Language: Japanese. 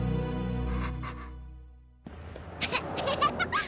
アハハハ！